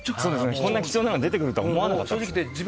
こんな貴重なのが出てくると思わなかった。